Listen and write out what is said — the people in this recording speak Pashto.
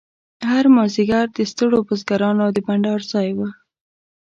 هر مازیګر د ستړو بزګرانو د بنډار ځای و.